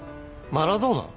マラドーナ！？